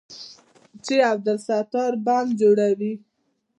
چې عبدالستار بم جوړوي.